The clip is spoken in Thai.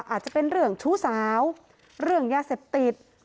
อาจจะเป็นเรื่องชู้สาวเรื่องยาเสพติด